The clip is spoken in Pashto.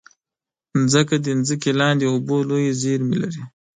مځکه د ځمکې لاندې اوبو لویې زېرمې لري.